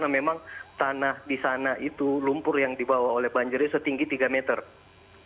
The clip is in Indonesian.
namun yang paling parah adalah kecamatan baibunta yaitu desa radak yang menurut informasi jembatan di sana